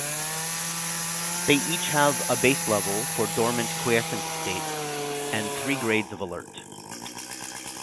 They each have a base level for dormant-quiescent states and three grades of alert.